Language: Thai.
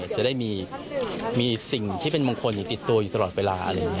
จะได้มีสิ่งที่เป็นมงคลที่ติดตัวอยู่ตลอดเวลา